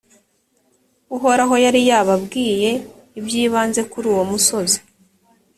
uhoraho yari yababwiye ibyibanze kuri uwo musozi